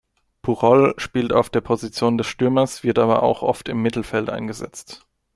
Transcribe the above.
Pujol spielt auf der Position des Stürmers, wird aber auch oft im Mittelfeld eingesetzt.